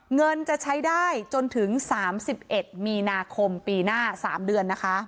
เงินจะใช้ได้จนถึง๓๑มีนาคมปีหน้า๓เดือนนะคะ